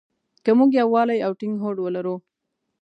که مونږ يووالی او ټينګ هوډ ولرو.